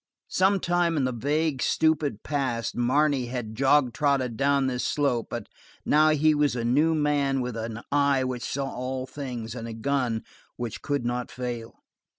Sometime in the vague, stupid past Marne had jog trotted down this slope, but now he was a new man with an eye which saw all things and a gun which could not fail.